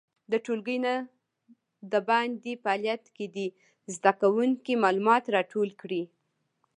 د ټولګي نه د باندې فعالیت کې دې زده کوونکي معلومات راټول کړي.